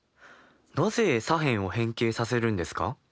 なぜ左辺を変形させるんですか？